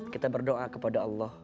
kita berdoa kepada allah